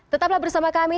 tetap bersama kami